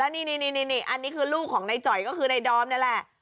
นี่อันนี้คือลูกของในจ่อยก็คือในดอมนี่แหละ